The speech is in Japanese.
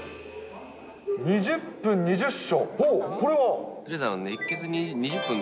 ２０分２０勝。